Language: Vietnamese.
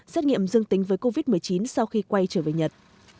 xét nghiệm dương tính với covid một mươi chín sau khi quay trở về nhật